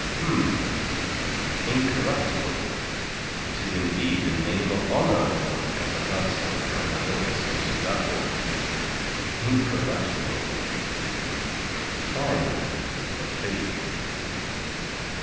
H'm! incorruptible! It is indeed a name of honour for the Capataz of the Cargadores of Sulaco. Incorruptible! Fine, but vague.